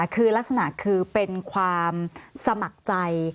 คือลักษณะคือเป็นความสมัครใจ